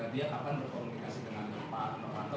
dia akan berkomunikasi dengan pak novanto